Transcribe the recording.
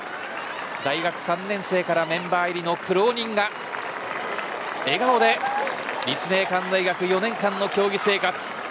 大学３年生からメンバー入りの苦労人が笑顔で立命館大学、４年間の競技生活。